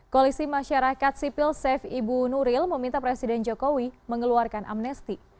koalisi masyarakat sipil safe ibu nuril meminta presiden jokowi mengeluarkan amnesti